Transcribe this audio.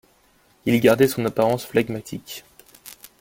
Il gardait son apparence flegmatique.